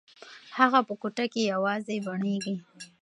هغه په کوټه کې یوازې بڼیږي.